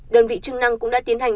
đơn vị chức năng cũng đã tiến hành